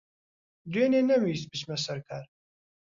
دوێنێ نەمویست بچمە سەر کار.